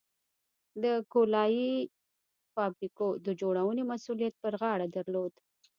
د کولالۍ فابریکو د جوړونې مسوولیت پر غاړه درلود.